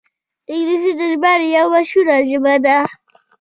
انګلیسي د ژباړې یوه مشهوره ژبه ده